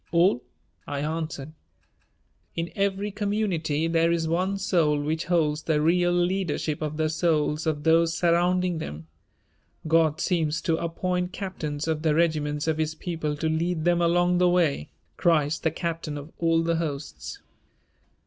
"All," I answered. "In every community there is one soul which holds the real leadership of the souls of those surrounding them. God seems to appoint captains of the regiments of His people to lead them along the way, Christ the captain of all the hosts.